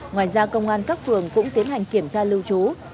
ngoài ra công an các phường cũng tiến hành kiểm tra lưu trú ra soát